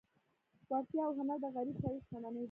وړتیا او هنر د غریب سړي شتمني ده.